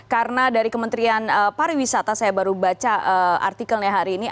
karena dari kementerian pariwisata saya baru baca artikelnya hari ini